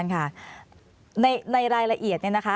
คุณสิริวัลค่ะในรายละเอียดเนี่ยนะคะ